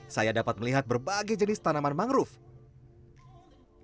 saya dapat melihat berbagai jenis tanaman mangrove